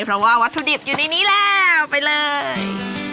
เพราะว่าวัตถุดิบอยู่ในนี้แล้วไปเลย